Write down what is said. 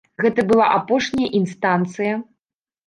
Гэта была апошняя інстанцыя.